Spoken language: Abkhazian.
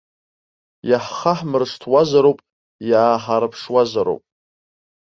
Иаҳхаҳмыршҭуазароуп, иааҳарԥшуазароуп.